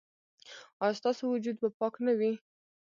ایا ستاسو وجود به پاک نه وي؟